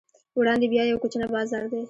وړاندې بیا یو کوچنی بازار دی.